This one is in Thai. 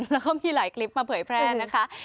แล้วก็มีหลายคลิปมาเผยแพร่นะคะ